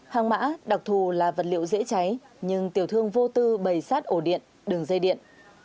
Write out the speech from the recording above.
hàng mã đặc thù là vật liệu dễ cháy nhưng tiểu thương vô tư bầy sát ổ điện đường dây điện